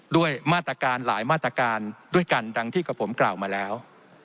ด้วยมาตรการหลายมาตรการด้วยกันดังที่กับผมกล่าวมาแล้ว